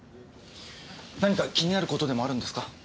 何か気になる事でもあるんですか？